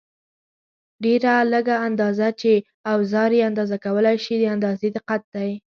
ډېره لږه اندازه چې اوزار یې اندازه کولای شي د اندازې دقت دی.